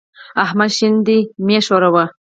احمد شين دی؛ مه يې ښوروه.